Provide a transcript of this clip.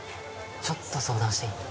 ちょっと相談していい？